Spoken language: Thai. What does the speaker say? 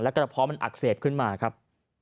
กระเพาะมันอักเสบขึ้นมาครับ